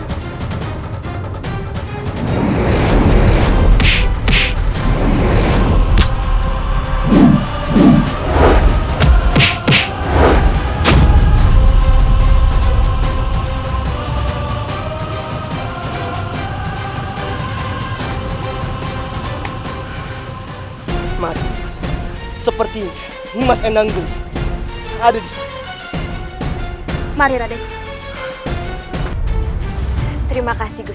terima kasih gusti prabu